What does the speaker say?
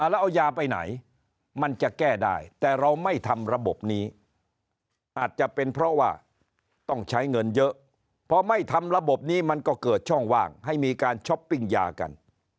แล้วเอายาไปไหนมันจะแก้ได้แต่เราไม่ทำระบบนี้อาจจะเป็นเพราะว่าต้องใช้เงินเยอะพอไม่ทำระบบนี้มันก็เกิดช่องว่างให้มีการช้อปปิ้งยากัน